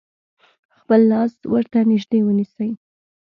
خپل لاس ورته نژدې ونیسئ.